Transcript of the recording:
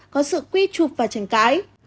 có sự quy trục và trành cãi